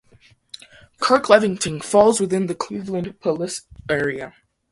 Kirklevington falls within the Cleveland Police area.